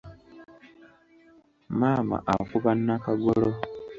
Maama akuba Nnakagolo.